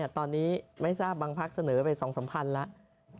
ตอนนี้ไม่ทราบบางพักเสนอไป๒๓พันแล้ว